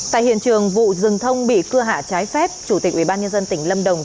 tại hiện trường vụ rừng thông bị cưa hạ trái phép chủ tịch ubnd tỉnh lâm đồng